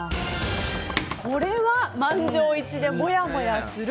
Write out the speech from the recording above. これは満場一致でもやもやする。